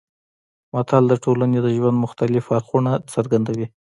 متل د ټولنې د ژوند مختلف اړخونه څرګندوي